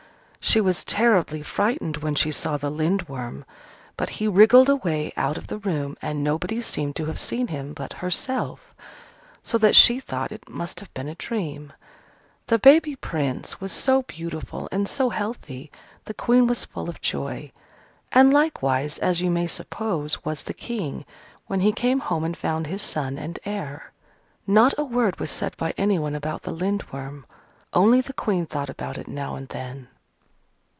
She was terribly frightened when she saw the Lindworm, but he wriggled away out of the room, and nobody seemed to have seen him but herself: so that she thought it must have been a dream. The baby Prince was so beautiful and so healthy, the Queen was full of joy: and likewise, as you may suppose, was the King when he came home and found his son and heir. Not a word was said by anyone about the Lindworm: only the Queen thought about it now and then.